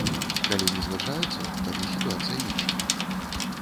Калі не згаджаюцца, тады сітуацыя іншая.